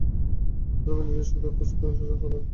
তথাপি নির্দিষ্ট অর্থের চতুর্থাংশও হইল না।